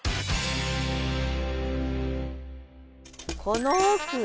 この奥に。